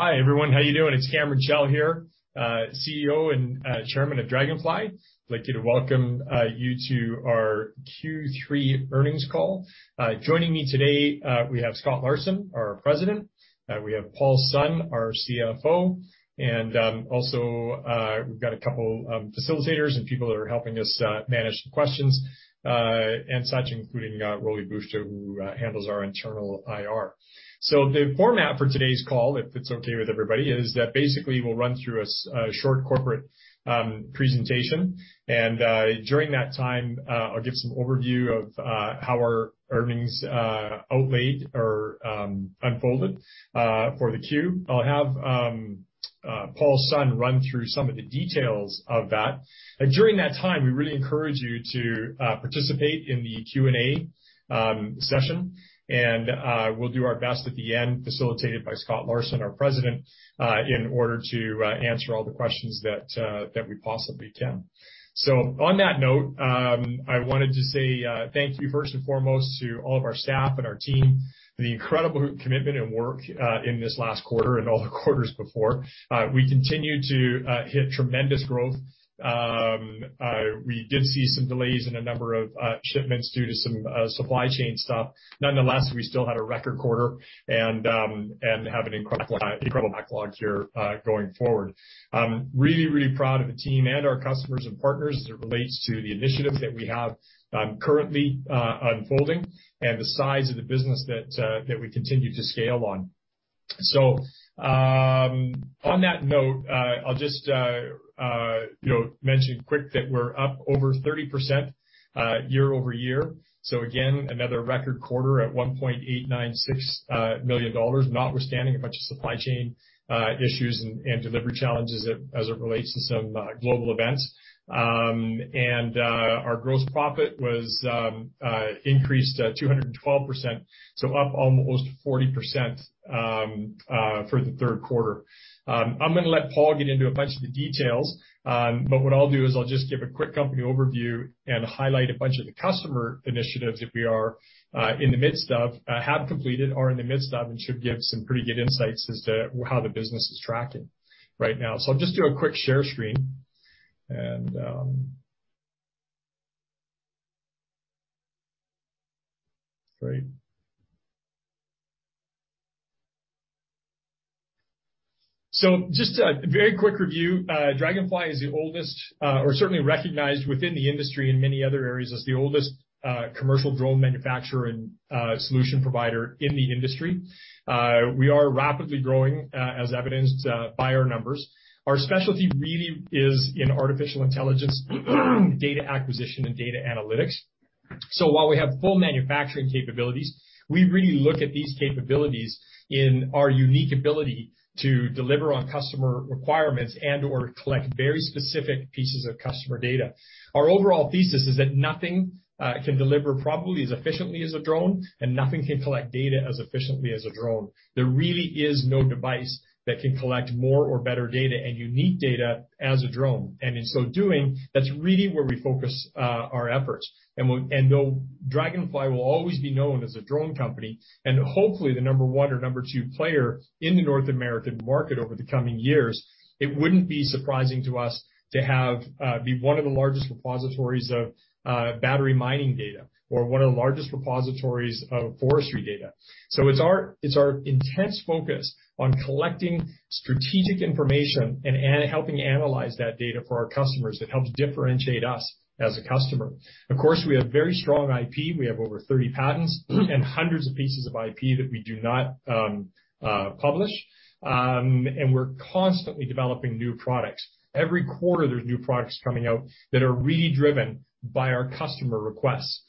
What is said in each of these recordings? Hi, everyone, how you doing? It's Cameron Chell here, CEO and Chairman of Draganfly. I'd like you to welcome you to our Q3 earnings call. Joining me today, we have Scott Larson, our President, we have Paul Sun, our CFO, and also, we've got a couple facilitators and people that are helping us manage the questions and such, including Roly Buster, who handles our internal IR. So the format for today's call, if it's okay with everybody, is that basically we'll run through a short corporate presentation, and during that time, I'll give some overview of how our earnings outlaid or unfolded for the Q. I'll have Paul Sun run through some of the details of that. And during that time, we really encourage you to participate in the Q&A session, and we'll do our best at the end, facilitated by Scott Larson, our President, in order to answer all the questions that we possibly can. So on that note, I wanted to say thank you first and foremost to all of our staff and our team, for the incredible commitment and work in this last quarter and all the quarters before. We continue to hit tremendous growth. We did see some delays in a number of shipments due to some supply chain stuff. Nonetheless, we still had a record quarter and have an incredible backlog here going forward. I'm really, really proud of the team and our customers and partners as it relates to the initiatives that we have, currently, unfolding, and the size of the business that we continue to scale on. So, on that note, I'll just, you know, mention quick that we're up over 30% year-over-year. So again, another record quarter at $1.896 million, notwithstanding a bunch of supply chain issues and delivery challenges as it relates to some global events. And our gross profit was increased at 212%, so up almost 40% for the Q3. I'm gonna let Paul get into a bunch of the details, but what I'll do is I'll just give a quick company overview and highlight a bunch of the customer initiatives that we are, in the midst of, have completed or are in the midst of, and should give some pretty good insights as to how the business is tracking right now. So I'll just do a quick share screen, and, great. So just a very quick review, Draganfly is the oldest, or certainly recognized within the industry in many other areas as the oldest, commercial drone manufacturer and, solution provider in the industry. We are rapidly growing, as evidenced, by our numbers. Our specialty really is in artificial intelligence, data acquisition and data analytics. So while we have full manufacturing capabilities, we really look at these capabilities in our unique ability to deliver on customer requirements and/or collect very specific pieces of customer data. Our overall thesis is that nothing can deliver probably as efficiently as a drone, and nothing can collect data as efficiently as a drone. There really is no device that can collect more or better data and unique data as a drone. And in so doing, that's really where we focus our efforts. And though Draganfly will always be known as a drone company, and hopefully the number one or number two player in the North American market over the coming years, it wouldn't be surprising to us to have be one of the largest repositories of battery mining data or one of the largest repositories of forestry data. So it's our, it's our intense focus on collecting strategic information and helping analyze that data for our customers that helps differentiate us as a customer. Of course, we have very strong IP. We have over 30 patents and hundreds of pieces of IP that we do not publish. And we're constantly developing new products. Every quarter, there's new products coming out that are really driven by our customer requests.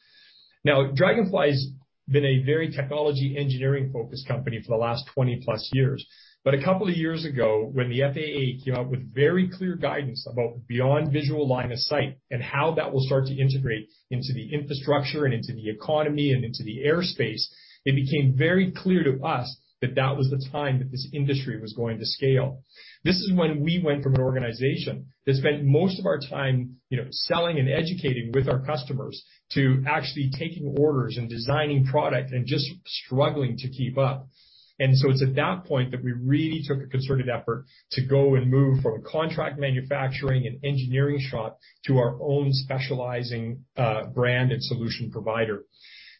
Now, Draganfly's been a very technology, engineering-focused company for the last 20+ years. But a couple of years ago, when the FAA came out with very clear guidance about beyond visual line of sight and how that will start to integrate into the infrastructure and into the economy and into the airspace, it became very clear to us that that was the time that this industry was going to scale. This is when we went from an organization that spent most of our time, you know, selling and educating with our customers, to actually taking orders and designing product and just struggling to keep up. And so it's at that point that we really took a concerted effort to go and move from a contract manufacturing and engineering shop to our own specializing brand and solution provider.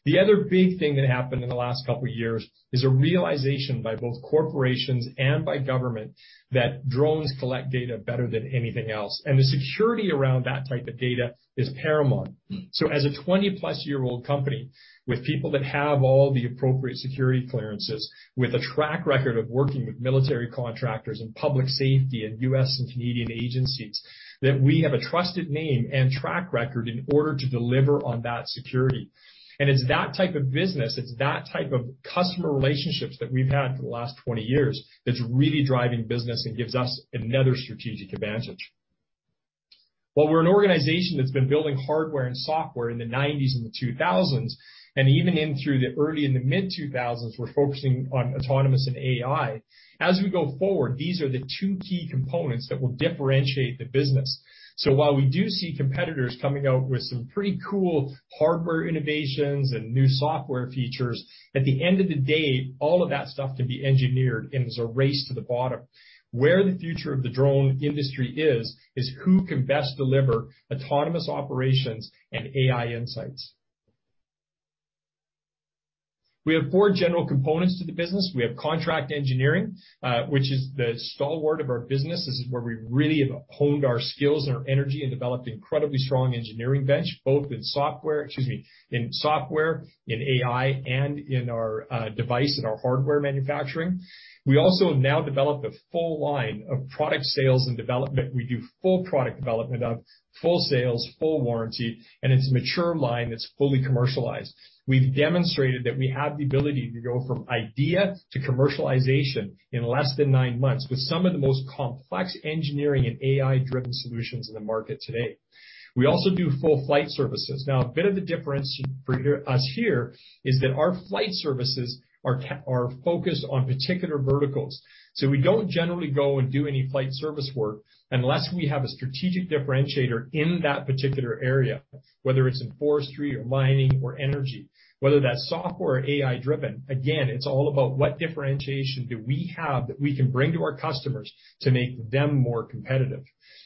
The other big thing that happened in the last couple of years is a realization by both corporations and by government that drones collect data better than anything else, and the security around that type of data is paramount. So as a 20+-year-old company, with people that have all the appropriate security clearances, with a track record of working with military contractors and public safety and U.S. and Canadian agencies, that we have a trusted name and track record in order to deliver on that security. And it's that type of business, it's that type of customer relationships that we've had for the last 20 years that's really driving business and gives us another strategic advantage. While we're an organization that's been building hardware and software in the 1990s and the 2000s, and even in through the early and the mid-2000s, we're focusing on autonomous and AI, as we go forward, these are the two key components that will differentiate the business. So while we do see competitors coming out with some pretty cool hardware innovations and new software features, at the end of the day, all of that stuff can be engineered, and it's a race to the bottom. Where the future of the drone industry is, is who can best deliver autonomous operations and AI insights? We have four general components to the business. We have contract engineering, which is the stalwart of our business. This is where we really have honed our skills and our energy and developed incredibly strong engineering bench, both in software, excuse me, in software, in AI, and in our device, and our hardware manufacturing. We also have now developed a full line of product sales and development. We do full product development of full sales, full warranty, and it's a mature line that's fully commercialized. We've demonstrated that we have the ability to go from idea to commercialization in less than nine months, with some of the most complex engineering and AI-driven solutions in the market today. We also do full flight services. Now, a bit of the difference for us here is that our flight services are focused on particular verticals. So we don't generally go and do any flight service work unless we have a strategic differentiator in that particular area, whether it's in forestry or mining or energy, whether that's software or AI driven. Again, it's all about what differentiation do we have that we can bring to our customers to make them more competitive.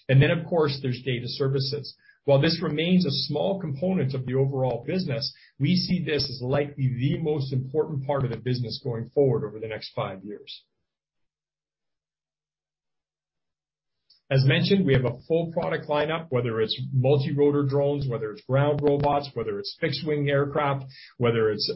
And then, of course, there's data services. While this remains a small component of the overall business, we see this as likely the most important part of the business going forward over the next five years. As mentioned, we have a full product lineup, whether it's multi-rotor drones, whether it's ground robots, whether it's fixed-wing aircraft, whether it's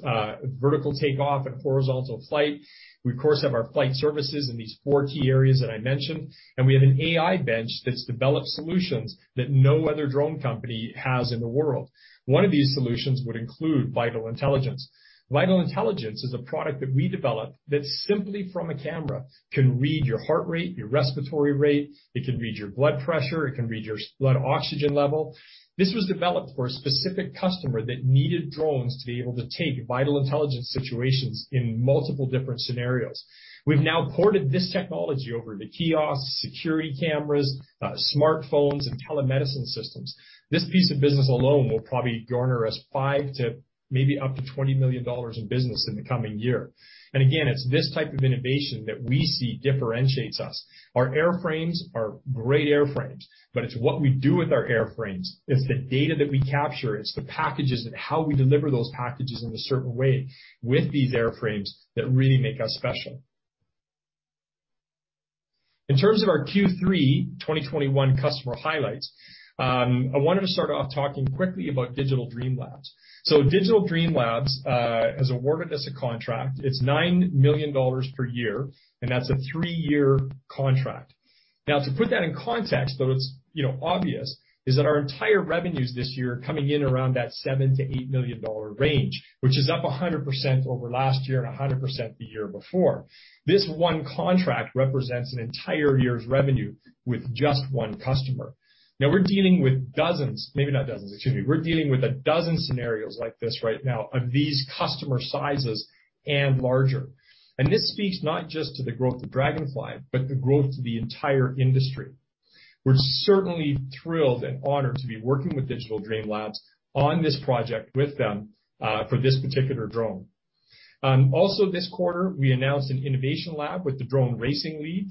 vertical takeoff and horizontal flight. We, of course, have our flight services in these four key areas that I mentioned, and we have an AI bench that's developed solutions that no other drone company has in the world. One of these solutions would include Vital Intelligence. Vital Intelligence is a product that we developed that simply from a camera, can read your heart rate, your respiratory rate, it can read your blood pressure, it can read your blood oxygen level. This was developed for a specific customer that needed drones to be able to take Vital Intelligence situations in multiple different scenarios. We've now ported this technology over to kiosks, security cameras, smartphones, and telemedicine systems. This piece of business alone will probably garner us $5 million to maybe up to $20 million in business in the coming year. And again, it's this type of innovation that we see differentiates us. Our airframes are great airframes, but it's what we do with our airframes. It's the data that we capture, it's the packages and how we deliver those packages in a certain way with these airframes that really make us special. In terms of our Q3 2021 customer highlights, I wanted to start off talking quickly about Digital Dream Labs. So Digital Dream Labs has awarded us a contract. It's $9 million per year, and that's a three-year contract. Now, to put that in context, though, it's, you know, obvious, is that our entire revenues this year are coming in around that $7 million-$8 million range, which is up 100% over last year and 100% the year before. This one contract represents an entire year's revenue with just one customer. Now we're dealing with dozens, maybe not dozens, excuse me, we're dealing with a dozen scenarios like this right now of these customer sizes and larger. And this speaks not just to the growth of Draganfly, but the growth of the entire industry. We're certainly thrilled and honored to be working with Digital Dream Labs on this project with them for this particular drone. Also this quarter, we announced an innovation lab with the Drone Racing League,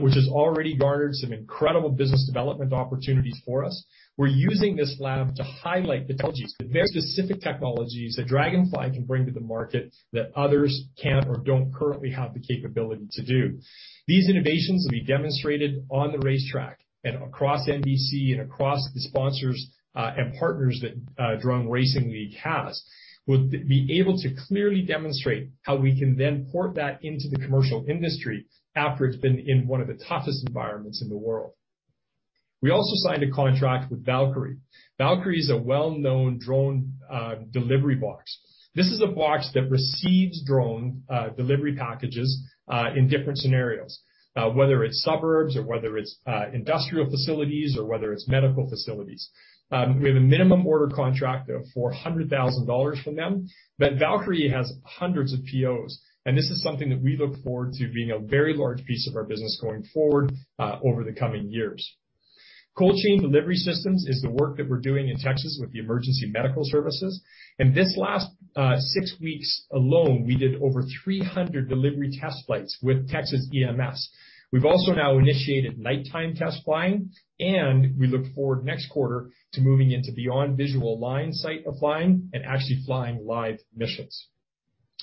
which has already garnered some incredible business development opportunities for us. We're using this lab to highlight the technologies, the very specific technologies that Draganfly can bring to the market that others can't or don't currently have the capability to do. These innovations will be demonstrated on the racetrack and across NBC and across the sponsors, and partners that Drone Racing League has, will be able to clearly demonstrate how we can then port that into the commercial industry after it's been in one of the toughest environments in the world. We also signed a contract with Valqari. Valqari is a well-known drone delivery box. This is a box that receives drone delivery packages in different scenarios, whether it's suburbs or whether it's industrial facilities or whether it's medical facilities. We have a minimum order contract of $400,000 from them, but Valqari has hundreds of POs, and this is something that we look forward to being a very large piece of our business going forward over the coming years. Coldchain Delivery Systems is the work that we're doing in Texas with the emergency medical services, and this last six weeks alone, we did over 300 delivery test flights with Texas EMS. We've also now initiated nighttime test flying, and we look forward next quarter to moving into beyond visual line of sight flying and actually flying live missions.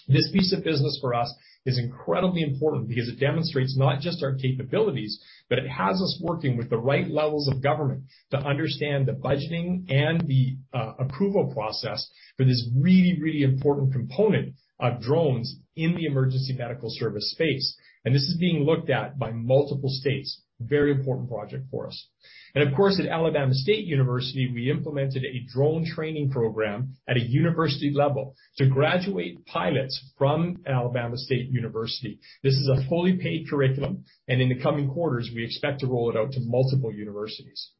This piece of business for us is incredibly important because it demonstrates not just our capabilities, but it has us working with the right levels of government to understand the budgeting and the approval process for this really, really important component of drones in the emergency medical service space. This is being looked at by multiple states. Very important project for us. Of course, at Alabama State University, we implemented a drone training program at a university level to graduate pilots from Alabama State University. This is a fully paid curriculum, and in the coming quarters, we expect to roll it out to multiple universities.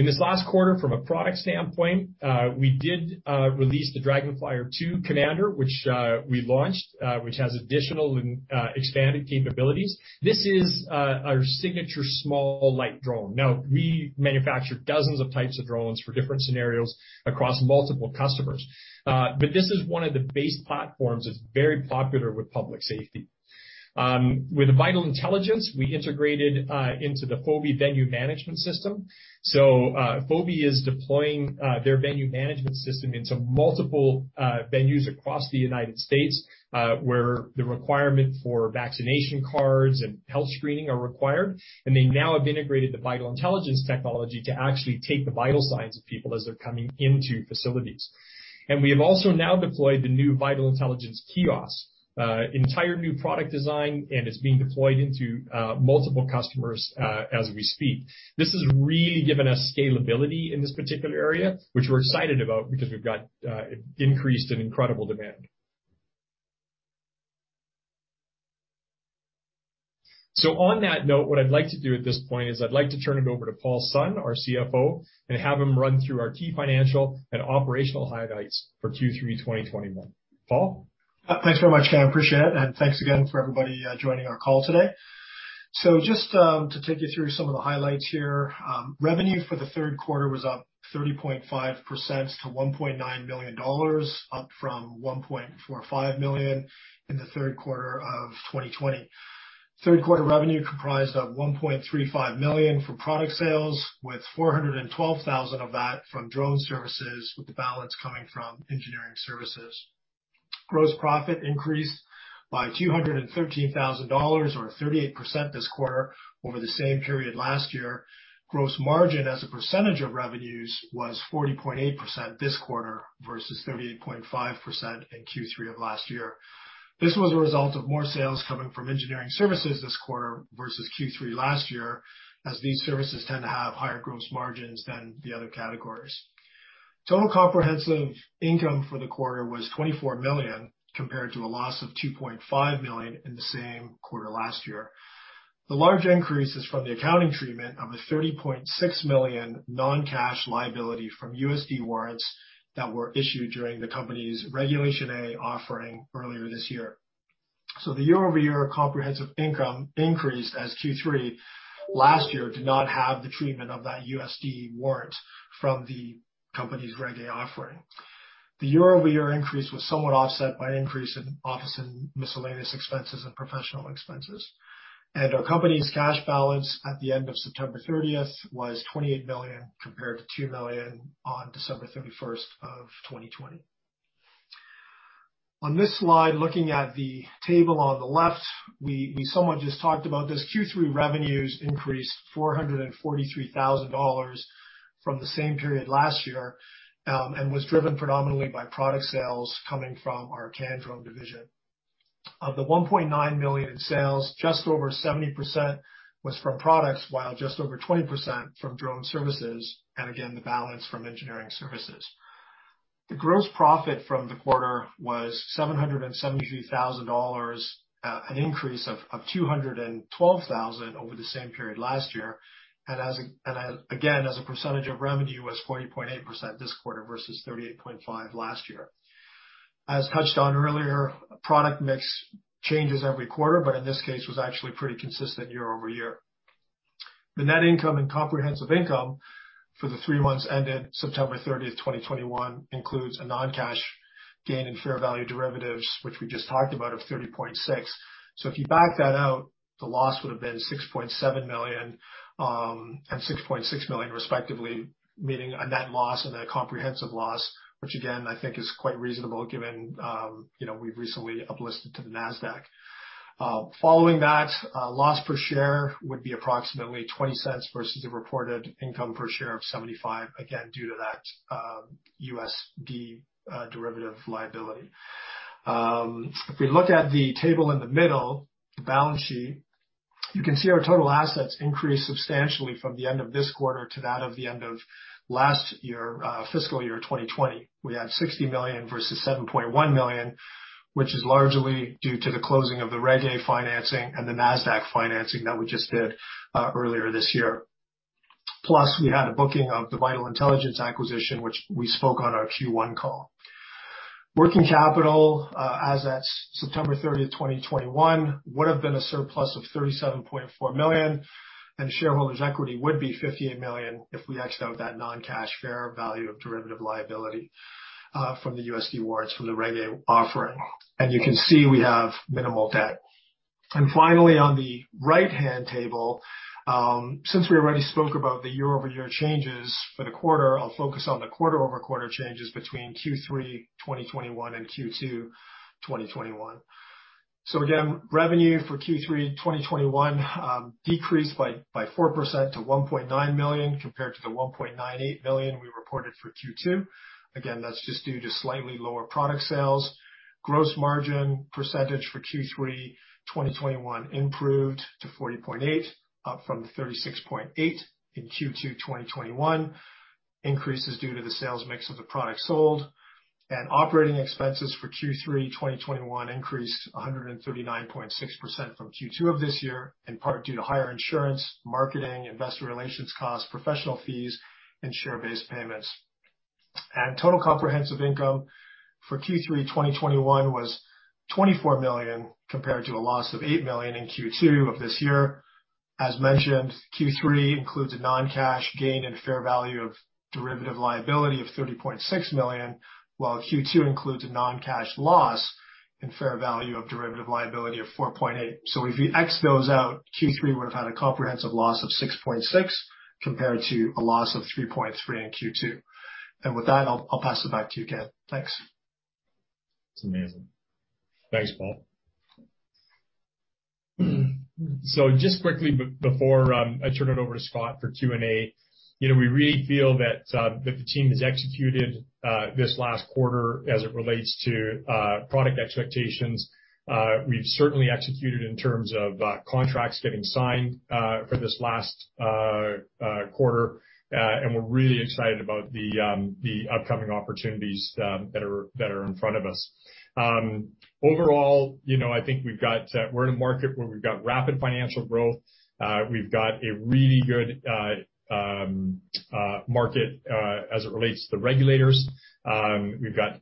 In this last quarter, from a product standpoint, we did release the Commander2, which we launched, which has additional and expanded capabilities. This is our signature small, light drone. Now, we manufacture dozens of types of drones for different scenarios across multiple customers. But this is one of the base platforms that's very popular with public safety. With the Vital Intelligence, we integrated into the Fobi Venue Management System. So, Fobi is deploying their venue management system into multiple venues across the United States, where the requirement for vaccination cards and health screening are required. And they now have integrated the Vital Intelligence technology to actually take the vital signs of people as they're coming into facilities. And we have also now deployed the new Vital Intelligence Kiosk, entire new product design, and it's being deployed into multiple customers as we speak. This has really given us scalability in this particular area, which we're excited about because we've got increased and incredible demand. So on that note, what I'd like to do at this point is I'd like to turn it over to Paul Sun, our CFO, and have him run through our key financial and operational highlights for Q3, 2021. Paul? Thanks very much, Cam. I appreciate it, and thanks again for everybody joining our call today. So just to take you through some of the highlights here, revenue for the Q3 was up 30.5% to $1.9 million, up from $1.45 million in the Q3 of 2020. Q3 revenue comprised of $1.35 million for product sales, with $412,000 of that from drone services, with the balance coming from engineering services. Gross profit increased by $213,000, or 38% this quarter, over the same period last year. Gross margin as a percentage of revenues was 40.8% this quarter versus 38.5% in Q3 of last year. This was a result of more sales coming from engineering services this quarter versus Q3 last year, as these services tend to have higher gross margins than the other categories. Total comprehensive income for the quarter was $24 million, compared to a loss of $2.5 million in the same quarter last year. The large increase is from the accounting treatment of a $30.6 million non-cash liability from USD warrants that were issued during the company's Regulation A offering earlier this year. So the year-over-year comprehensive income increased, as Q3 last year did not have the treatment of that USD warrant from the company's Reg A offering. The year-over-year increase was somewhat offset by increase in office and miscellaneous expenses and professional expenses. Our company's cash balance at the end of 30 September 2021 was $28 million, compared to $2 million on 31 December 2020. On this slide, looking at the table on the left, we somewhat just talked about this. Q3 revenues increased $443,000 from the same period last year, and was driven predominantly by product sales coming from our Candrone division. Of the $1.9 million in sales, just over 70% was from products, while just over 20% from drone services, and again, the balance from engineering services. The gross profit from the quarter was $773,000, an increase of $212,000 over the same period last year. And again, as a percentage of revenue, was 40.8% this quarter versus 38.5% last year. As touched on earlier, product mix changes every quarter, but in this case, was actually pretty consistent year-over-year. The net income and comprehensive income for the three months ended 30 September 2021, includes a non-cash gain in fair value derivatives, which we just talked about, of $30.6 million. So if you back that out, the loss would have been $6.7 million and $6.6 million, respectively, meaning a net loss and a comprehensive loss, which again, I think is quite reasonable, given, you know, we've recently uplisted to the Nasdaq. Following that, loss per share would be approximately $0.20 versus the reported income per share of $0.75, again, due to that USD derivative liability. If we look at the table in the middle, the balance sheet, you can see our total assets increased substantially from the end of this quarter to that of the end of last year, fiscal year 2020. We had $60 million versus $7.1 million, which is largely due to the closing of the Reg A financing and the Nasdaq financing that we just did earlier this year. Plus, we had a booking of the Vital Intelligence acquisition, which we spoke on our Q1 call. Working capital as at 30 September 2021, would have been a surplus of $37.4 million, and shareholders' equity would be $58 million if we ex out that non-cash fair value of derivative liability from the USD warrants from the Reg A offering. And you can see we have minimal debt. And finally, on the right-hand table, since we already spoke about the year-over-year changes for the quarter, I'll focus on the quarter-over-quarter changes between Q3, 2021, and Q2, 2021. So again, revenue for Q3 2021 decreased by 4% to $1.9 million, compared to the $1.98 million we reported for Q2. Again, that's just due to slightly lower product sales. Gross margin percentage for Q3 2021 improved to 40.8%, up from 36.8% in Q2 2021. Increases due to the sales mix of the products sold, and operating expenses for Q3 2021 increased 139.6% from Q2 of this year, in part due to higher insurance, marketing, investor relations costs, professional fees, and share-based payments. And total comprehensive income for Q3 2021 was $24 million, compared to a loss of $8 million in Q2 of this year. As mentioned, Q3 includes a non-cash gain and fair value of derivative liability of $30.6 million, while Q2 includes a non-cash loss and fair value of derivative liability of $4.8 million. So if you X those out, Q3 would have had a comprehensive loss of $6.6 million, compared to a loss of $3.3 million in Q2. And with that, I'll pass it back to you, Cam. Thanks. It's amazing. Thanks, Paul. So just quickly before I turn it over to Scott for Q&A, you know, we really feel that the team has executed this last quarter as it relates to product expectations. We've certainly executed in terms of contracts getting signed for this last quarter. And we're really excited about the upcoming opportunities that are in front of us. Overall, you know, I think we've got we're in a market where we've got rapid financial growth. We've got a really good market as it relates to the regulators. We've got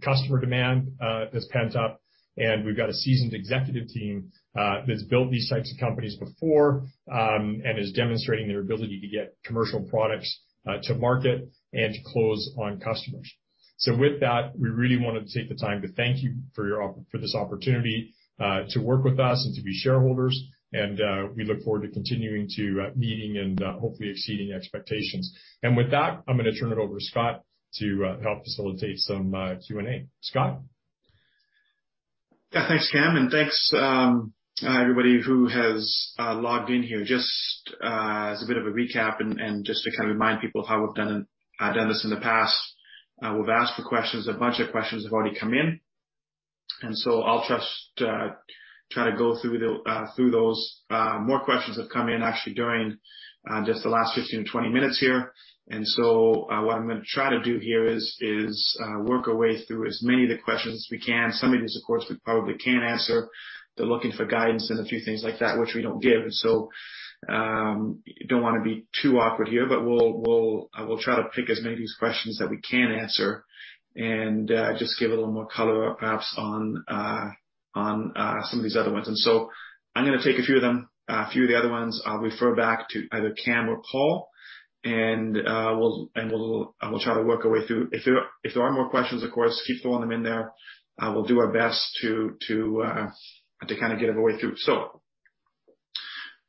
customer demand that's pent up, and we've got a seasoned executive team that's built these types of companies before, and is demonstrating their ability to get commercial products to market and to close on customers. So with that, we really want to take the time to thank you for this opportunity to work with us and to be shareholders, and we look forward to continuing to meeting and hopefully exceeding expectations. And with that, I'm gonna turn it over to Scott to help facilitate some Q&A. Scott? Yeah, thanks, Cam, and thanks, everybody who has logged in here. Just as a bit of a recap and just to kind of remind people how we've done this in the past, we've asked for questions. A bunch of questions have already come in, and so I'll just try to go through those. More questions have come in, actually, during just the last 15 minutes, 20 minutes here. And so what I'm gonna try to do here is work our way through as many of the questions as we can. Some of these, of course, we probably can't answer. They're looking for guidance and a few things like that, which we don't give. So, don't want to be too awkward here, but we'll try to pick as many of these questions that we can answer, and just give a little more color perhaps on some of these other ones. So I'm gonna take a few of them. A few of the other ones, I'll refer back to either Cam or Paul, and we'll try to work our way through. If there are more questions, of course, keep throwing them in there. We'll do our best to kind of get our way through.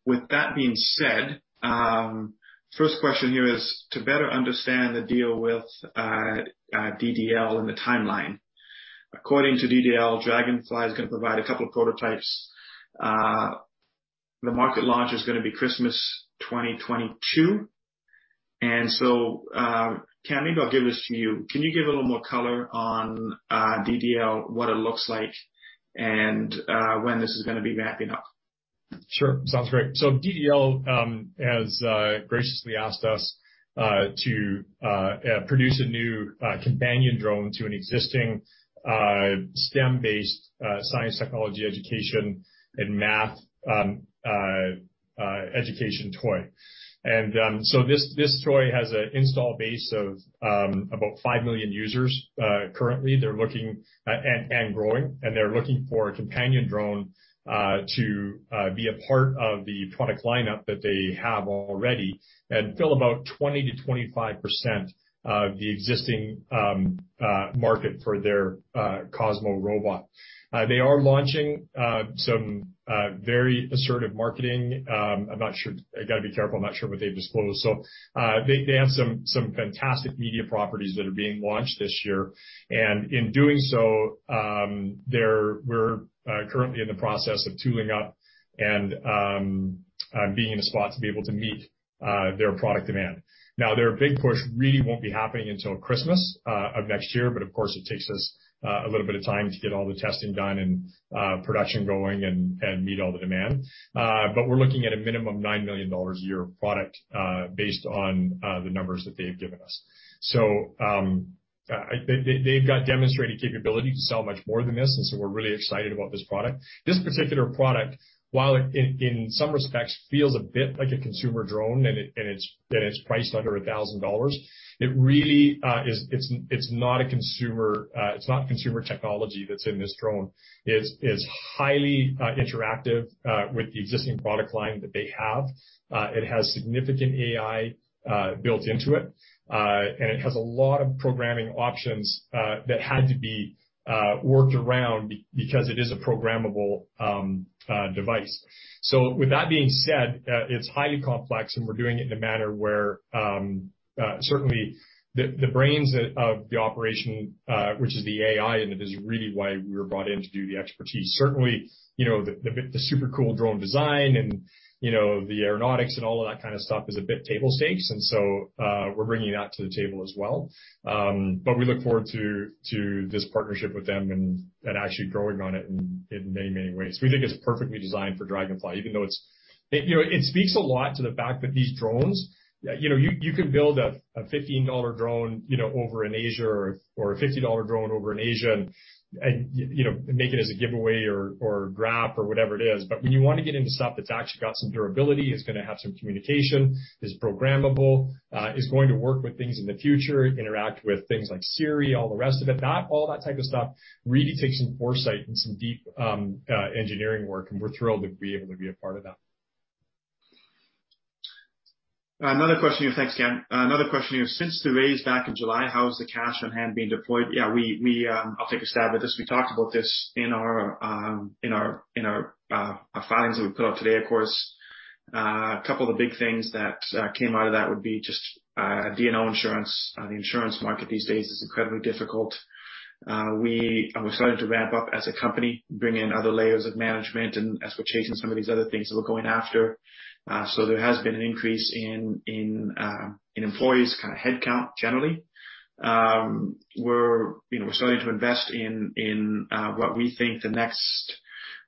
So with that being said, first question here is to better understand the deal with DDL and the timeline. According to DDL, Draganfly is gonna provide a couple of prototypes. The market launch is gonna be Christmas 2022. So, Cam, maybe I'll give this to you. Can you give a little more color on DDL, what it looks like, and when this is gonna be wrapping up? Sure. Sounds great. So DDL has graciously asked us to produce a new companion drone to an existing STEM-based science, technology, education, and math education toy. So this toy has an install base of about five million users. Currently, they're looking and growing, and they're looking for a companion drone to be a part of the product lineup that they have already and fill about 20%-25% of the existing market for their Cozmo robot. They are launching some very assertive marketing. I'm not sure, I gotta be careful. I'm not sure what they've disclosed. So, they have some fantastic media properties that are being launched this year, and in doing so, we're currently in the process of tooling up and being in a spot to be able to meet their product demand. Now, their big push really won't be happening until Christmas of next year, but of course, it takes us a little bit of time to get all the testing done and production going and meet all the demand. But we're looking at a minimum $9 million a year of product based on the numbers that they've given us. So, they have demonstrated capability to sell much more than this, and so we're really excited about this product. This particular product, while it, in some respects, feels a bit like a consumer drone, and it's priced under $1,000, it really is, it's not a consumer, it's not consumer technology that's in this drone. It's highly interactive with the existing product line that they have. It has significant AI built into it, and it has a lot of programming options that had to be worked around because it is a programmable device. So with that being said, it's highly complex, and we're doing it in a manner where certainly the brains of the operation, which is the AI in it, is really why we were brought in to do the expertise. Certainly, you know, the super cool drone design and, you know, the aeronautics and all of that kind of stuff is a bit table stakes, and so, we're bringing that to the table as well. But we look forward to this partnership with them and actually growing on it in many, many ways. We think it's perfectly designed for Draganfly, even though it's, you know, it speaks a lot to the fact that these drones, you know, you can build a $15 drone, you know, over in Asia or a $50 drone over in Asia and you know, make it as a giveaway or grab or whatever it is, but when you want to get into stuff that's actually got some durability, it's gonna have some communication, is programmable, is going to work with things in the future, interact with things like Siri, all the rest of it, that, all that type of stuff really takes some foresight and some deep engineering work, and we're thrilled to be able to be a part of that. Another question here. Thanks, Cam. Another question here, since the raise back in July, how has the cash on hand been deployed? Yeah, I'll take a stab at this. We talked about this in our filings that we put out today, of course. A couple of the big things that came out of that would be just D&O insurance. The insurance market these days is incredibly difficult. We're starting to ramp up as a company, bring in other layers of management and as we're chasing some of these other things that we're going after. So there has been an increase in employees, kind of headcount generally. You know, we're starting to invest in what we think the next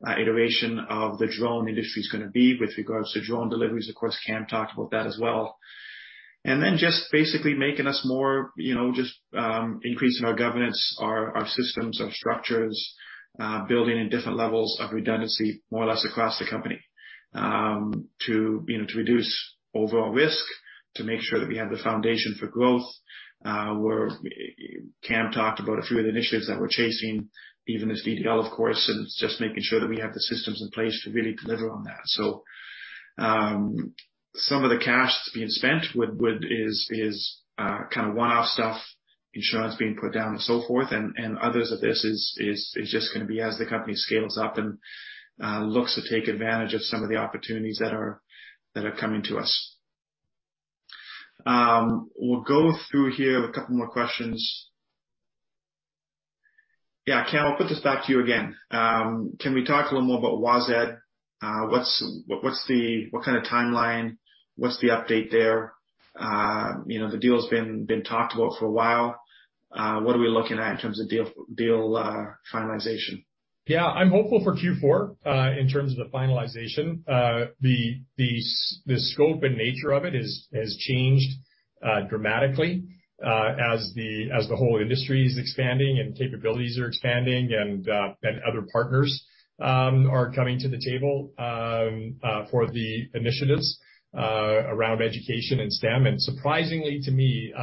iteration of the drone industry is gonna be with regards to drone deliveries. Of course, Cam talked about that as well. And then just basically making us more, you know, just increasing our governance, our systems, our structures, building in different levels of redundancy, more or less across the company, to you know, to reduce overall risk, to make sure that we have the foundation for growth. Cam talked about a few of the initiatives that we're chasing, even this DDL, of course, and it's just making sure that we have the systems in place to really deliver on that. So, some of the cash that's being spent is kind of one-off stuff, insurance being put down and so forth, and others of this is just gonna be as the company scales up and looks to take advantage of some of the opportunities that are coming to us. We'll go through here a couple more questions. Yeah, Cam, I'll put this back to you again. Can we talk a little more about Woz ED? What's the, what kind of timeline? What's the update there? You know, the deal has been talked about for a while. What are we looking at in terms of deal finalization? Yeah. I'm hopeful for Q4 in terms of the finalization. The scope and nature of it has changed dramatically as the whole industry is expanding and capabilities are expanding and other partners are coming to the table for the initiatives around education and STEM. And surprisingly to me,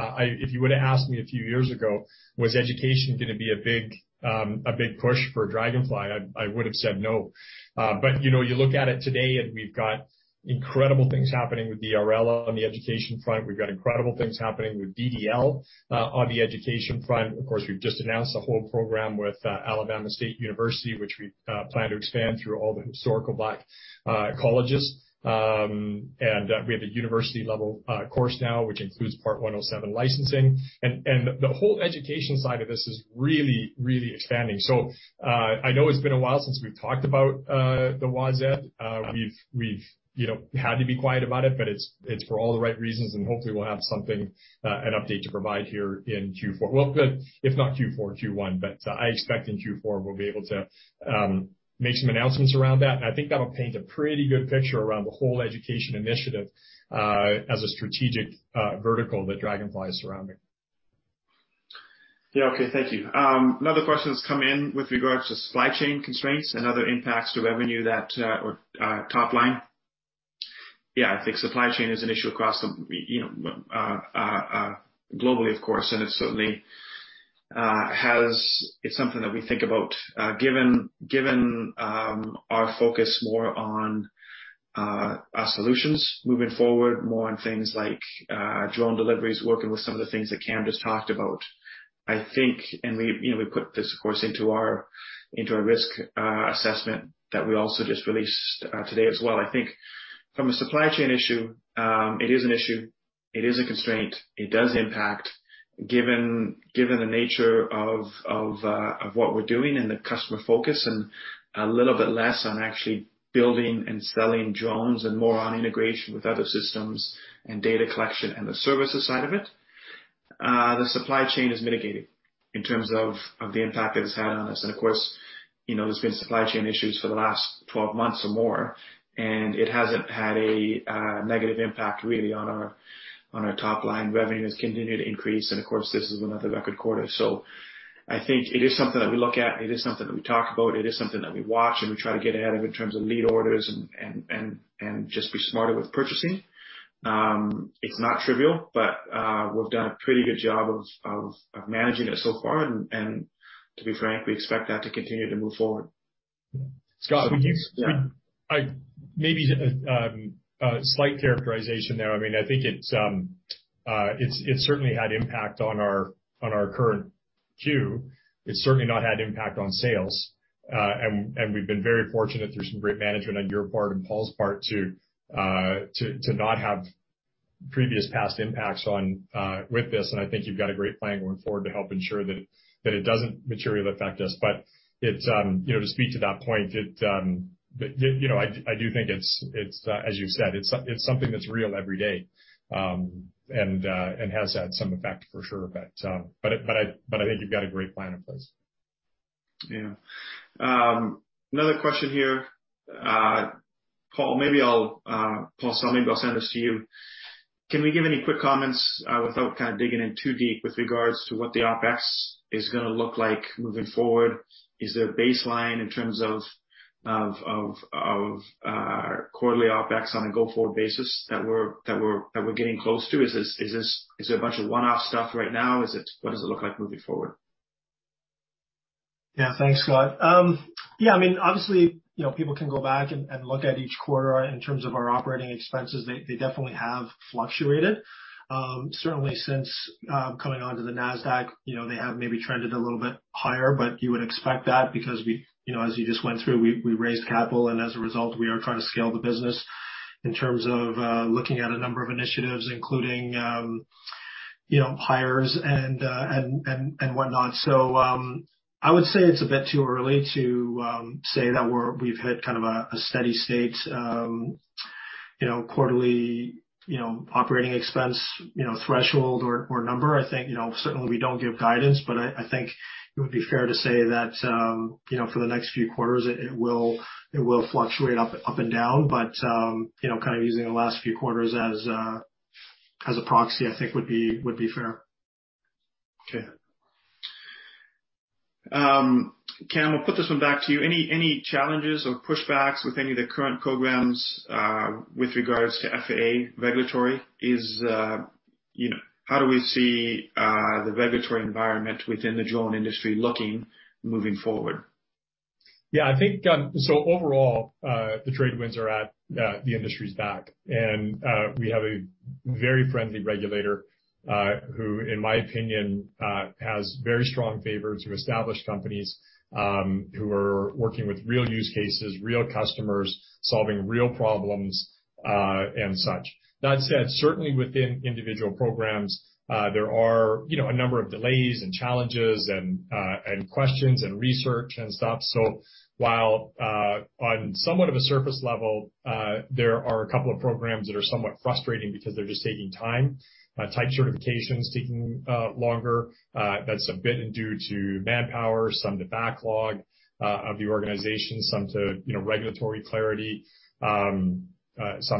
if you would've asked me a few years ago, "Was education gonna be a big a big push for Draganfly?" I would have said no. But you know, you look at it today, and we've got incredible things happening with DRL on the education front. We've got incredible things happening with DDL on the education front. Of course, we've just announced a whole program with Alabama State University, which we plan to expand through all the historically black colleges. And we have a university-level course now, which includes Part 107 licensing. And the whole education side of this is really, really expanding. So I know it's been a while since we've talked about the Woz ED. We've you know had to be quiet about it, but it's for all the right reasons, and hopefully we'll have something an update to provide here in Q4. Well, but if not Q4, Q1, but I expect in Q4 we'll be able to make some announcements around that. And I think that'll paint a pretty good picture around the whole education initiative as a strategic vertical that Draganfly is surrounding. Yeah. Okay. Thank you. Another question has come in with regards to supply chain constraints and other impacts to revenue that, or, top line. Yeah, I think supply chain is an issue across the, you know, globally, of course, and it certainly has. It's something that we think about, given, our focus more on, our solutions moving forward, more on things like, drone deliveries, working with some of the things that Cam just talked about. I think, and we, you know, we put this, of course, into our, into our risk, assessment that we also just released, today as well. I think from a supply chain issue, it is an issue, it is a constraint, it does impact, given the nature of what we're doing and the customer focus, and a little bit less on actually building and selling drones and more on integration with other systems and data collection and the services side of it. The supply chain is mitigated in terms of the impact that it's had on us. And of course, you know, there's been supply chain issues for the last 12 months or more, and it hasn't had a negative impact really on our top line. Revenue has continued to increase, and of course, this is another record quarter. I think it is something that we look at, it is something that we talk about, it is something that we watch, and we try to get ahead of in terms of lead orders and just be smarter with purchasing. It's not trivial, but we've done a pretty good job of managing it so far, and to be frank, we expect that to continue to move forward. Scott, we Yeah. Maybe a slight characterization there. I mean, I think it's certainly had impact on our current Q. It's certainly not had impact on sales. And we've been very fortunate through some great management on your part and Paul's part to not have previous past impacts on with this, and I think you've got a great plan going forward to help ensure that it doesn't materially affect us. But it's, you know, to speak to that point, it, you know, I do think it's, as you said, it's something that's real every day, and has had some effect for sure. But I think you've got a great plan in place. Yeah. Another question here. Paul, maybe I'll Paul Sun, I'll send this to you. Can we give any quick comments without kind of digging in too deep with regards to what the OpEx is gonna look like moving forward? Is there a baseline in terms of quarterly OpEx on a go-forward basis that we're getting close to? Is this, is there a bunch of one-off stuff right now? Is it? What does it look like moving forward? Yeah, thanks, Scott. Yeah, I mean, obviously, you know, people can go back and look at each quarter in terms of our operating expenses. They definitely have fluctuated. Certainly since coming onto the NASDAQ, you know, they have maybe trended a little bit higher, but you would expect that because we, you know, as you just went through, we raised capital, and as a result, we are trying to scale the business in terms of looking at a number of initiatives, including, you know, hires and whatnot. So, I would say it's a bit too early to say that we've hit kind of a steady state, you know, quarterly operating expense threshold or number. I think, you know, certainly we don't give guidance, but I think it would be fair to say that, you know, for the next few quarters, it will fluctuate up and down. But, you know, kind of using the last few quarters as a proxy, I think would be fair. Okay. Cam, I'll put this one back to you. Any challenges or pushbacks with any of the current programs with regards to FAA regulatory? You know, how do we see the regulatory environment within the drone industry looking moving forward? Yeah, I think, so overall, the tailwinds are at the industry's back. And we have a very friendly regulator, who, in my opinion, has very strong favor to established companies, who are working with real use cases, real customers, solving real problems, and such. That said, certainly within individual programs, there are, you know, a number of delays and challenges and questions and research and stuff. So while, on somewhat of a surface level, there are a couple of programs that are somewhat frustrating because they're just taking time, type certifications taking longer, that's a bit due to manpower, some to backlog of the organization, some to, you know, regulatory clarity, some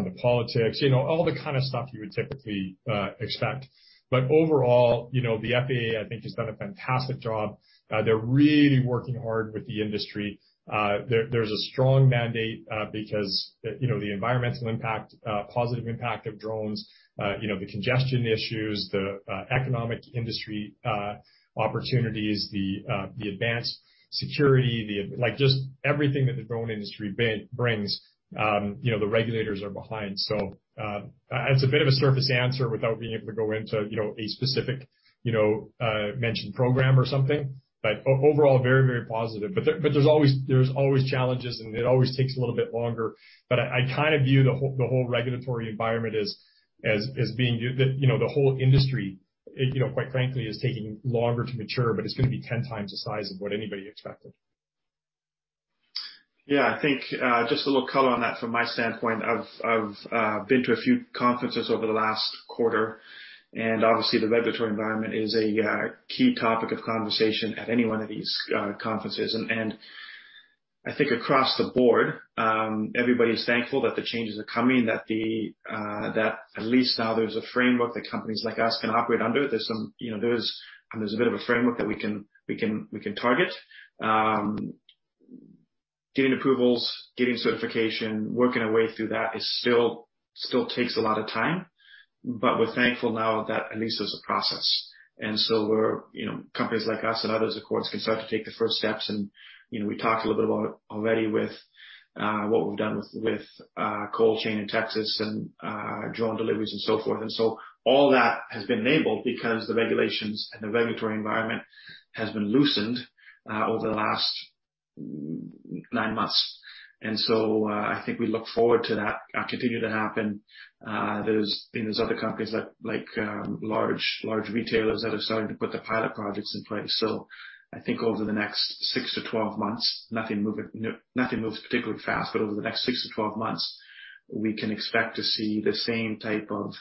to politics, you know, all the kind of stuff you would typically expect. But overall, you know, the FAA, I think, has done a fantastic job. They're really working hard with the industry. There's a strong mandate, because, you know, the environmental impact, positive impact of drones, you know, the congestion issues, the economic industry opportunities, the advanced security, like, just everything that the drone industry brings, you know, the regulators are behind. So, it's a bit of a surface answer without being able to go into, you know, a specific mentioned program or something, but overall, very, very positive. But there's always challenges, and it always takes a little bit longer. But I kind of view the whole regulatory environment as being, you know, the whole industry, you know, quite frankly, is taking longer to mature, but it's gonna be 10x the size of what anybody expected. Yeah, I think, just a little color on that from my standpoint. I've been to a few conferences over the last quarter, and obviously, the regulatory environment is a key topic of conversation at any one of these conferences. I think across the board, everybody's thankful that the changes are coming, that at least now there's a framework that companies like us can operate under. There's some, you know, a bit of a framework that we can target. Getting approvals, getting certification, working our way through that is still takes a lot of time, but we're thankful now that at least there's a process. So we're, you know, companies like us and others, of course, can start to take the first steps. You know, we talked a little bit about it already with what we've done with ColdChain in Texas and drone deliveries and so forth. So all that has been enabled because the regulations and the regulatory environment has been loosened over the last nine months. So I think we look forward to that continue to happen. There's, you know, there's other companies that like large, large retailers that are starting to put their pilot projects in place. So I think over the next six to 12 months, nothing moves particularly fast, but over the next six to 12 months, we can expect to see the same type of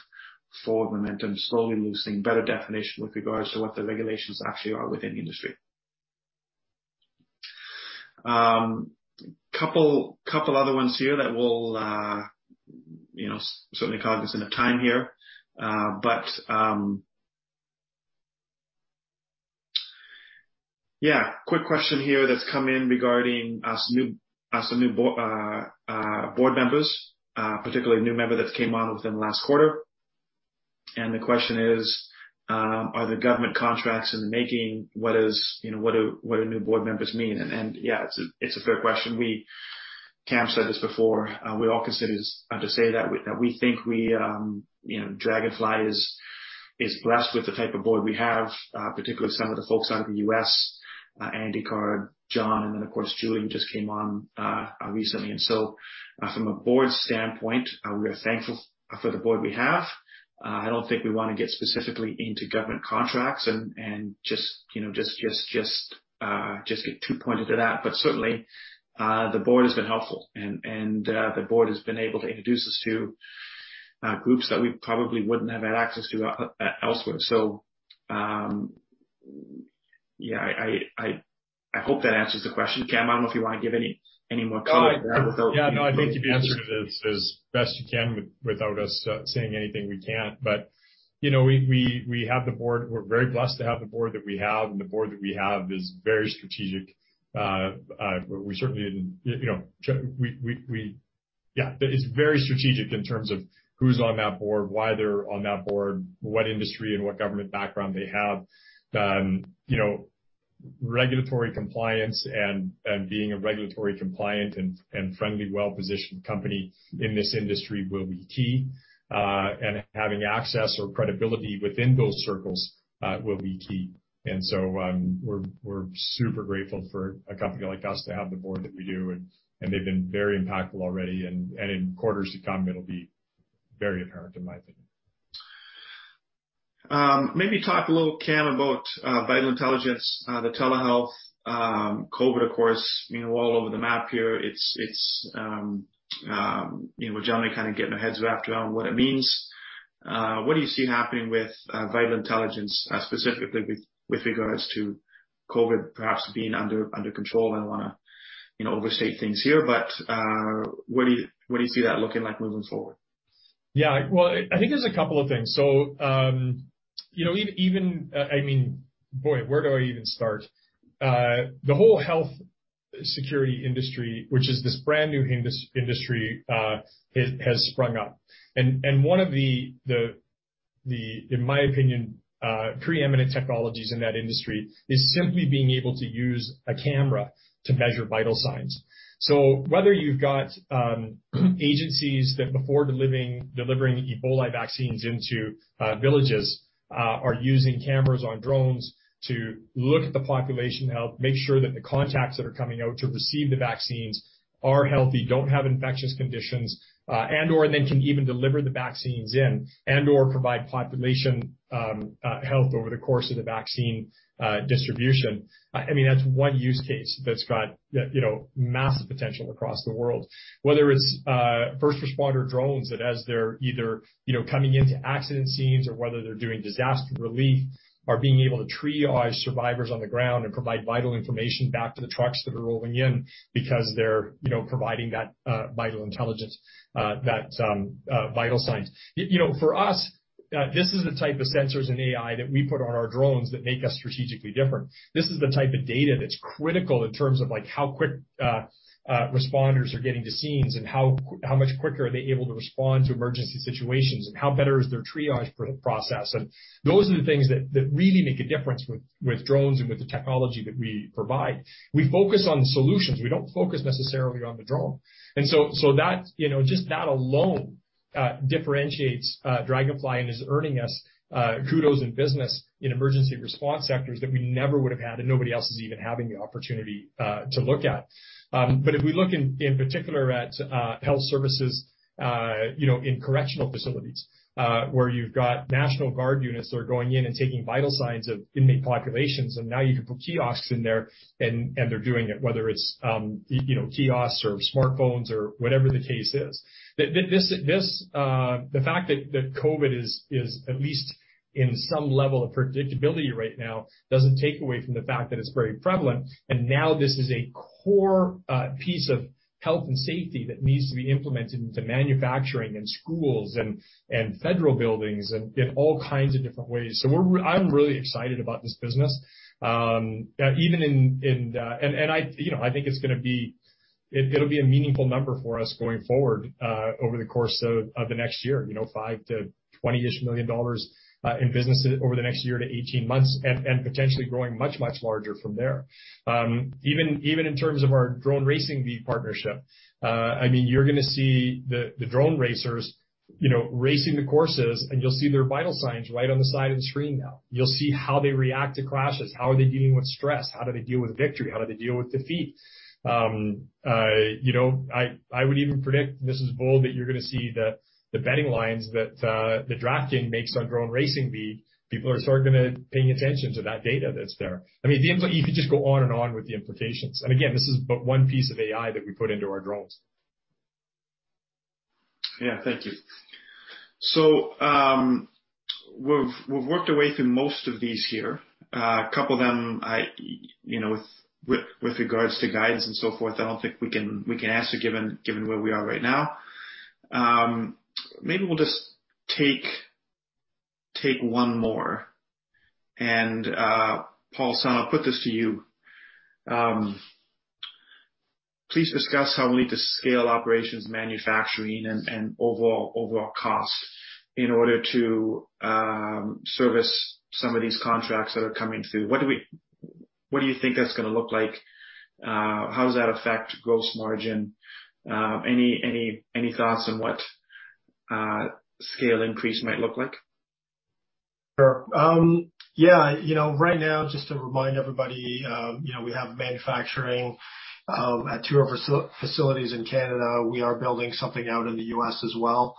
forward momentum, slowly loosening, better definition with regards to what the regulations actually are within the industry. Couple other ones here that we'll, you know, certainly cognizant of time here. But yeah, quick question here that's come in regarding our new, our, the new board members, particularly a new member that's came on within the last quarter. And the question is, are the government contracts in the making? What is, you know, what do, what do new board members mean? And yeah, it's a fair question. Cam said this before, we all consider this to say that we, that we think we, you know, Draganfly is blessed with the type of board we have, particularly some of the folks out of the U.S., Andy Card, John, and then, of course, Julie just came on recently. From a board standpoint, we are thankful for the board we have. I don't think we want to get specifically into government contracts and just, you know, get too pointed to that. But certainly, the board has been helpful, and the board has been able to introduce us to groups that we probably wouldn't have had access to elsewhere. So, yeah, I hope that answers the question. Cam, I don't know if you want to give any more color to that without- Yeah, no, I think you answered it as best you can without us saying anything we can't. But, you know, we have the board. We're very blessed to have the board that we have, and the board that we have is very strategic. We certainly didn't, you know. Yeah, it's very strategic in terms of who's on that board, why they're on that board, what industry and what government background they have. Then, you know, regulatory compliance and being a regulatory compliant and friendly, well-positioned company in this industry will be key. And having access or credibility within those circles will be key. And so, we're super grateful for a company like us to have the board that we do, and they've been very impactful already. And in quarters to come, it'll be very apparent, in my opinion. Maybe talk a little, Cam, about Vital Intelligence, the telehealth, COVID, of course, you know, all over the map here. It's you know, we're generally kind of getting our heads wrapped around what it means. What do you see happening with Vital Intelligence, specifically with regards to COVID perhaps being under control? I don't wanna, you know, overstate things here, but what do you see that looking like moving forward? Yeah. Well, I think there's a couple of things. So, you know, even, I mean, boy, where do I even start? The whole health security industry, which is this brand new industry, it has sprung up. And one of the, the, the, in my opinion, preeminent technologies in that industry is simply being able to use a camera to measure vital signs. So whether you've got, agencies that before delivering Ebola vaccines into villages, are using cameras on drones to look at the population health, make sure that the contacts that are coming out to receive the vaccines are healthy, don't have infectious conditions, and/or then can even deliver the vaccines in and/or provide population health over the course of the vaccine distribution. I mean, that's one use case that's got, you know, massive potential across the world. Whether it's first responder drones that as they're either, you know, coming into accident scenes or whether they're doing disaster relief, are being able to triage survivors on the ground and provide vital information back to the trucks that are rolling in because they're, you know, providing that vital intelligence that vital signs. You know, for us, this is the type of sensors and AI that we put on our drones that make us strategically different. This is the type of data that's critical in terms of, like, how quick responders are getting to scenes, and how much quicker are they able to respond to emergency situations, and how better is their triage process? And those are the things that really make a difference with drones and with the technology that we provide. We focus on the solutions. We don't focus necessarily on the drone. And so that, you know, just that alone differentiates Draganfly and is earning us kudos in business in emergency response sectors that we never would have had, and nobody else is even having the opportunity to look at. But if we look in particular at health services, you know, in correctional facilities, where you've got National Guard units that are going in and taking vital signs of inmate populations, and now you can put kiosks in there, and they're doing it, whether it's, you know, kiosks or smartphones or whatever the case is. This, the fact that COVID is at least in some level of predictability right now, doesn't take away from the fact that it's very prevalent. And now this is a core piece of health and safety that needs to be implemented into manufacturing and schools and federal buildings and in all kinds of different ways. So I'm really excited about this business. Even in, and I, you know, I think it's gonna be, it'll be a meaningful number for us going forward, over the course of the next year, you know, $5 million-$20-ish million in business over the next year to 18 months, and potentially growing much larger from there. Even, even in terms of our Drone Racing League partnership, I mean, you're gonna see the drone racers, you know, racing the courses, and you'll see their vital signs right on the side of the screen now. You'll see how they react to crashes, how are they dealing with stress, how do they deal with victory, how do they deal with defeat? You know, I, I would even predict, this is bold, that you're gonna see the betting lines that the DraftKings makes on Drone Racing League. People are starting to paying attention to that data that's there. I mean, you could just go on and on with the implications. And again, this is but one piece of AI that we put into our drones. Yeah. Thank you. So, we've worked our way through most of these here. A couple of them, you know, with regards to guidance and so forth, I don't think we can answer, given where we are right now. Maybe we'll just take one more. And, Paul Sun, I'll put this to you. Please discuss how we need to scale operations, manufacturing, and overall costs in order to service some of these contracts that are coming through. What do we, what do you think that's gonna look like? How does that affect gross margin? Any thoughts on what scale increase might look like? Sure. Yeah, you know, right now, just to remind everybody, you know, we have manufacturing at two of our facilities in Canada. We are building something out in the U.S. as well.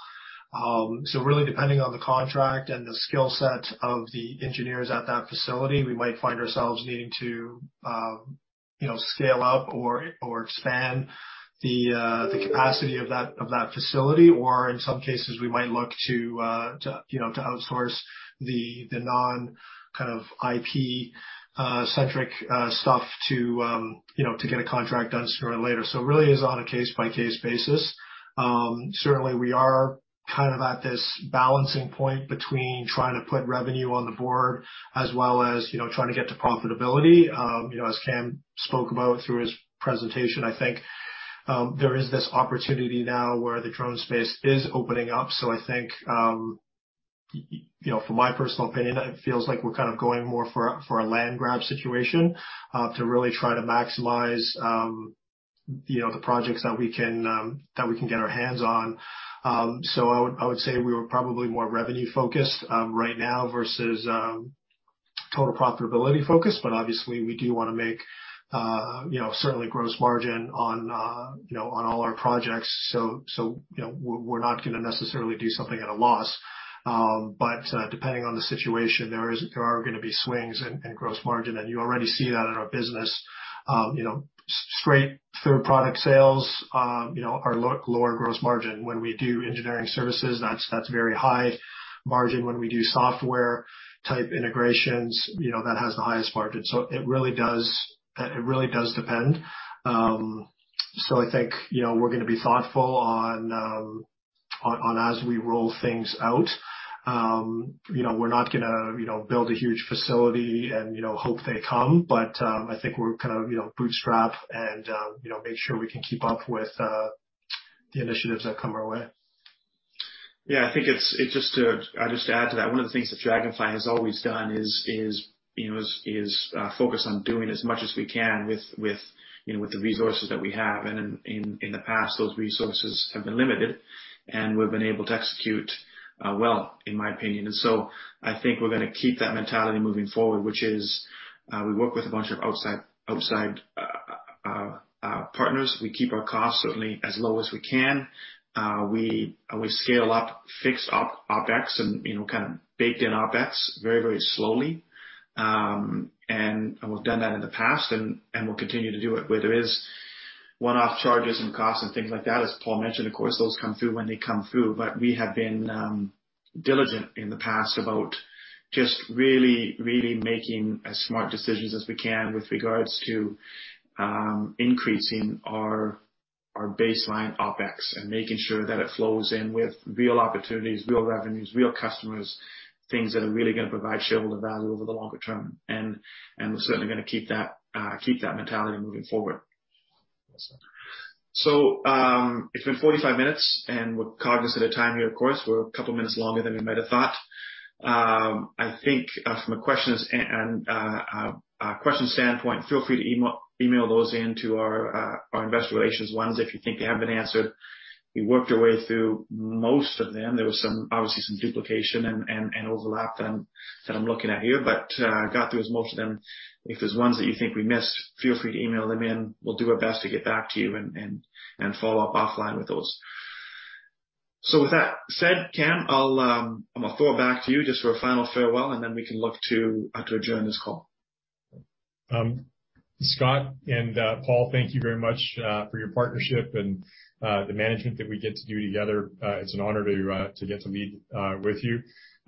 So really, depending on the contract and the skill set of the engineers at that facility, we might find ourselves needing to, you know, scale up or expand the capacity of that facility. Or in some cases, we might look to, you know, to outsource the non kind of IP-centric stuff to, you know, to get a contract done sooner or later. So it really is on a case-by-case basis. Certainly, we are, kind of at this balancing point between trying to put revenue on the board as well as, you know, trying to get to profitability. You know, as Cam spoke about through his presentation, I think, there is this opportunity now where the drone space is opening up. So I think, you know, from my personal opinion, it feels like we're kind of going more for, for a land grab situation, to really try to maximize, you know, the projects that we can, that we can get our hands on. So I would, I would say we were probably more revenue focused, right now versus, total profitability focused. But obviously, we do wanna make, you know, certainly gross margin on, you know, on all our projects. So, you know, we're not gonna necessarily do something at a loss. But, depending on the situation, there are gonna be swings in gross margin, and you already see that in our business. You know, straight through product sales, you know, are lower gross margin. When we do engineering services, that's very high margin. When we do software type integrations, you know, that has the highest margin. So it really does depend. So I think, you know, we're gonna be thoughtful on as we roll things out. You know, we're not gonna, you know, build a huge facility and, you know, hope they come, but I think we're kind of, you know, bootstrap and, you know, make sure we can keep up with the initiatives that come our way. Yeah, I think it's, it just. I'll just add to that. One of the things that Draganfly has always done is, you know, focus on doing as much as we can with, you know, with the resources that we have. And in the past, those resources have been limited, and we've been able to execute, well, in my opinion. And so I think we're gonna keep that mentality moving forward, which is, we work with a bunch of outside partners. We keep our costs certainly as low as we can. We scale up, fix up OpEx and, you know, kind of baked in OpEx very, very slowly. And we've done that in the past, and we'll continue to do it. Where there is one-off charges and costs and things like that, as Paul mentioned, of course, those come through when they come through. But we have been diligent in the past about just really, really making as smart decisions as we can with regards to increasing our baseline OpEx and making sure that it flows in with real opportunities, real revenues, real customers, things that are really gonna provide shareholder value over the longer term. And we're certainly gonna keep that mentality moving forward. So, it's been 45 minutes, and we're cognizant of time here, of course. We're a couple of minutes longer than we might have thought. I think, from a questions and a question standpoint, feel free to email those in to our investor relations ones, if you think they haven't been answered. We worked our way through most of them. There was some, obviously, some duplication and overlap that I'm looking at here, but got through as most of them. If there's ones that you think we missed, feel free to email them in. We'll do our best to get back to you and follow up offline with those. So with that said, Cam, I'll, I'm gonna throw it back to you just for a final farewell, and then we can look to adjourn this call. Scott and Paul, thank you very much for your partnership and the management that we get to do together. It's an honor to get to lead with you.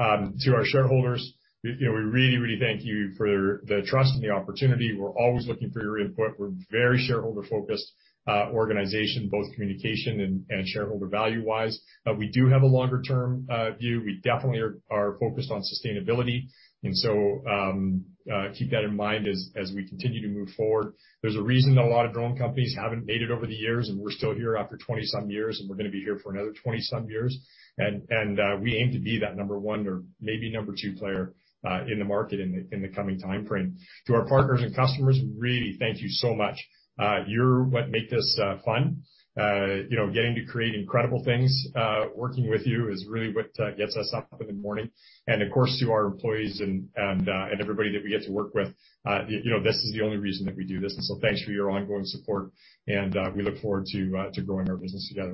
To our shareholders, you know, we really thank you for the trust and the opportunity. We're always looking for your input. We're a very shareholder-focused organization, both communication and shareholder value-wise. We do have a longer-term view. We definitely are focused on sustainability, and so keep that in mind as we continue to move forward. There's a reason a lot of drone companies haven't made it over the years, and we're still here after 20-some years, and we're gonna be here for another 20-some years. We aim to be that number one or maybe number two player in the market in the coming timeframe. To our partners and customers, really, thank you so much. You're what make this fun. You know, getting to create incredible things, working with you is really what gets us up in the morning. Of course, to our employees and everybody that we get to work with, you know, this is the only reason that we do this. So thanks for your ongoing support, and we look forward to growing our business together.